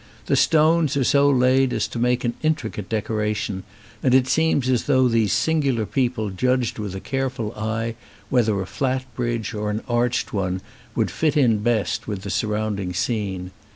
The stones are so laid as to make an intricate decora tion, and it seems as though these singular people judged with a careful eye whether a flat bridge or an arched one would fit in best with the surround ing scene.